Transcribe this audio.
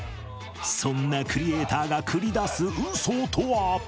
そんなクリエーターが繰り出す嘘とは？